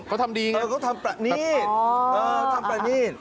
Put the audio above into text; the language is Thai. เค้าทำดีไงเค้าทำประเงียบเอ่อเขาทำประเงียบ